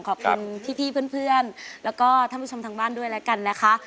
ขอบคุณพี่เพื่อนแล้วก็ท่านผู้ชมทางบ้านด้วยแล้วกันนะคะ